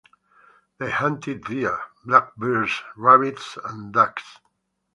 They hunted deer, black bears, rabbits, and ducks.